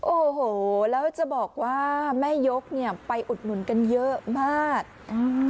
โอ้โหแล้วจะบอกว่าแม่ยกเนี่ยไปอุดหนุนกันเยอะมากอืม